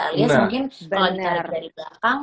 mungkin kalau ditarik dari belakang